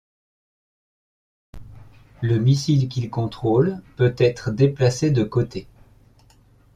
Le missile, qu'il controle, peut etre déplacé de côté.